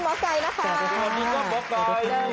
สวัสดีอันนี้ก็พี่ไกร